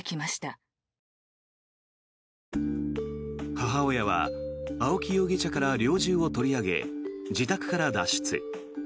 母親は青木容疑者から猟銃を取り上げ自宅から脱出。